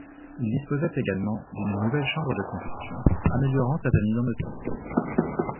Il disposait également d'une nouvelle chambre de combustion, améliorant sa tenue dans le temps.